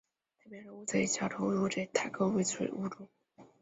太平洋塔乌贼为小头乌贼科塔乌贼属的动物。